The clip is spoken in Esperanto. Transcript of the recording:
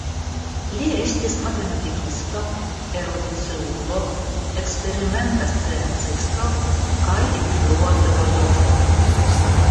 Li estis matematikisto, erudiciulo, eksperimenta sciencisto kaj influa filozofo.